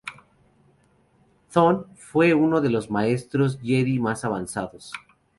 Thon fue uno de los maestros Jedi más avanzados.